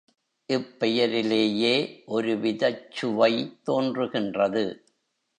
இப் பெயரிலேயே ஒருவிதச் சுவை தோன்றுகின்றது.